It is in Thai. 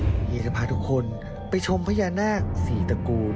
เฮียจะพาทุกคนไปชมพญานาคสี่ตระกูล